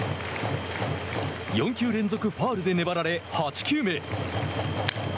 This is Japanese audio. ４球連続ファウルで粘られ８球目。